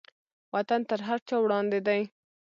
وطن تر هر چا وړاندې دی.